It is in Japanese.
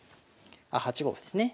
あ８五歩ですね。